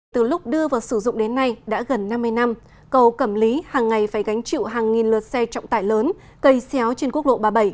từ lúc đưa vào sử dụng đến nay đã gần năm mươi năm cầu cẩm lý hằng ngày phải gánh chịu hàng nghìn lượt xe trọng tải lớn cây xéo trên quốc lộ ba mươi bảy